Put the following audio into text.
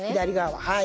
はい。